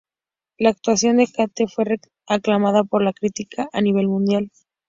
La actuación de Kate fue aclamada por la crítica a nivel mundial.